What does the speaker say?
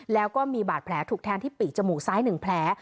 แล้วก็มีบาดแผลถูกแทงที่ปีกจมูกซ้าย๑แผล